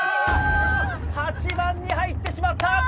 ８番に入ってしまった。